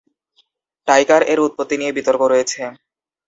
টাইকার এর উৎপত্তি নিয়ে বিতর্ক রয়েছে।